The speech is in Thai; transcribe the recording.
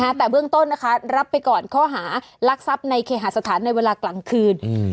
แต่เบื้องต้นนะคะรับไปก่อนข้อหารักทรัพย์ในเคหาสถานในเวลากลางคืนอืม